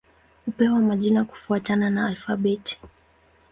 Hupewa majina kufuatana na alfabeti.